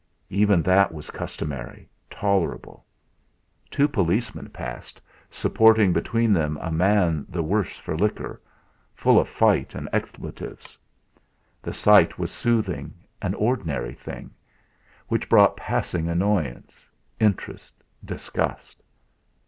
Even that was customary, tolerable. Two policemen passed, supporting between them a man the worse for liquor, full of fight and expletives; the sight was soothing, an ordinary thing which brought passing annoyance, interest, disgust.